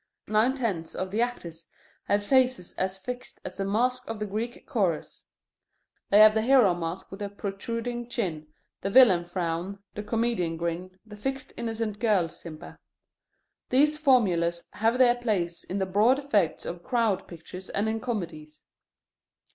Nine tenths of the actors have faces as fixed as the masks of the Greek chorus: they have the hero mask with the protruding chin, the villain frown, the comedian grin, the fixed innocent girl simper. These formulas have their place in the broad effects of Crowd Pictures and in comedies.